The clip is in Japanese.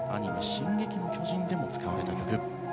「進撃の巨人」でも使われた曲。